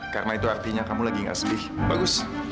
karena itu artinya kamu lagi gak sedih bagus